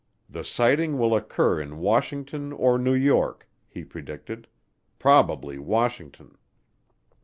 The sighting will occur in Washington or New York," he predicted, "probably Washington."